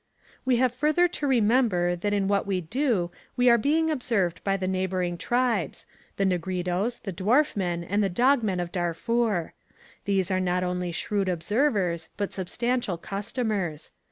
"We have further to remember that in what we do we are being observed by the neighbouring tribes, the Negritos, the Dwarf Men, and the Dog Men of Darfur. These are not only shrewd observers but substantial customers.